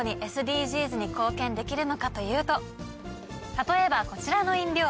例えばこちらの飲料。